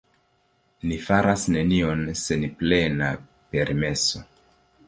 Ni faras nenion sen plena permeso.